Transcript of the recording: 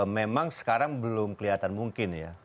memang sekarang belum kelihatan mungkin ya